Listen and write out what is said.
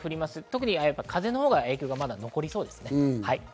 特に風のほうが影響はまだ残りそうです。